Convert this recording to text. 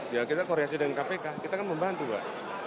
ya kita koordinasi dengan kpk kita kan membantu pak